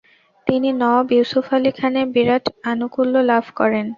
তিনি নওয়াব ইউসুফ আলী খানের বিরাট আনুকুল্য লাভ করেন।